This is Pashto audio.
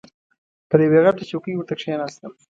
پر یوې غټه چوکۍ ورته کښېناستم.